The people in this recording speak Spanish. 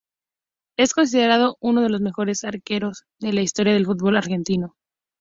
Es considerado uno de los mejores arqueros de la historia del fútbol argentino.